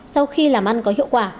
sau khi làm ăn có hiệu quả